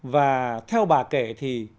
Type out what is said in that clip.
và theo bà kể thì